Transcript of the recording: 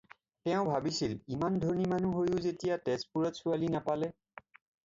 তেওঁ ভাবিছিল ইমান ধনী মানুহ হৈও যেতিয়া তেজপুৰত ছোৱালী নাপালে।